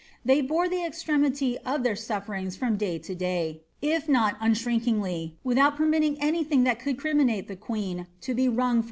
They bore the extremity of their sufferings from dav to day, if not unshrinkingly, without per> mitting any thing that could criminate the queen to be wrung from the ' State Papers, p.